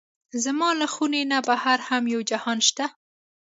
زما له خونې نه بهر هم یو جهان شته دی.